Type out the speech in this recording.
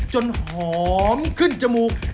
จนหอมขึ้นจมูก